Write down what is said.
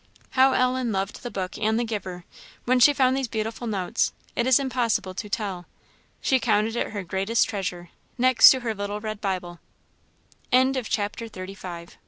How Ellen loved the book and the giver, when she found these beautiful notes, it is impossible to tell. She counted it her greatest treasure, next to her little red Bible. CHAPTER XXXVI. The Brownie.